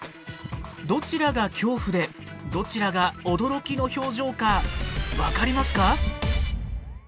どちらが恐怖でどちらが驚きの表情か分かりますか？